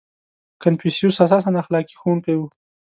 • کنفوسیوس اساساً اخلاقي ښوونکی و.